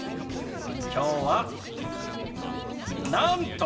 きょうはなんと！